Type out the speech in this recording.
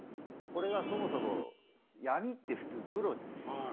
これがそもそも闇って普通黒ですよ。